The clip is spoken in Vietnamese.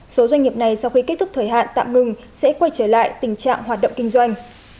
số doanh nghiệp này sau khi kết thúc thời hạn tạm ngừng sẽ quay trở lại tình trạng hoạt động kinh doanh